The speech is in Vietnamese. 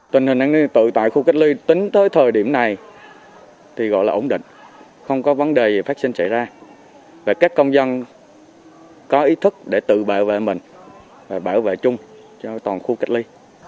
tình hình an ninh tự tại khu cách ly tính tới thời điểm này thì gọi là ổn định không có vấn đề phát sinh xảy ra và các công dân có ý thức để tự bảo vệ mình và bảo vệ chung cho toàn khu cách ly